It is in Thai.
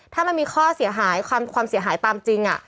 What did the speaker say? ถ้ามันมีข้อเสียหายความเสียหายตามจริง